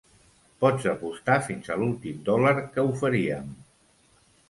Pots apostar fins a l'últim dòlar que ho faríem!